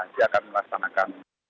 dia akan melaksanakan